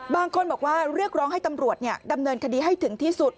บางคนบอกว่าเรียกร้องให้ตำรวจดำเนินคดีให้ถึงที่สุด